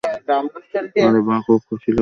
আরে বাহ, খুব খুশি খুশি লাগছে।